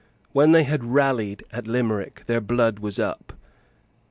When they had rallied at Limerick, their blood was up.